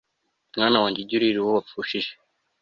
mwana wanjye, ujye uririra uwo wapfushije